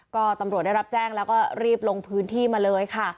ก็ตำรวจได้รับแจ้งแล้วก็รีบลงพื้นที่มาเลยค่ะ